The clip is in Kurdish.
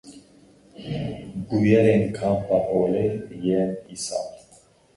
Bûyerên Kampa Holê yên îsal.